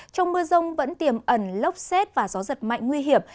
trong mưa rông vẫn tiềm ẩn lốc xét và gió giật mạnh nguy hiểm